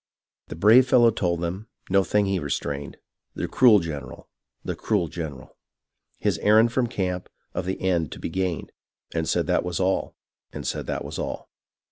The brave fellow told them, no thing he restrained, The cruel gen'ral ; the cruel gen'ral, His errand from camp, of the end to be gained, And said that was all ; and said that was all.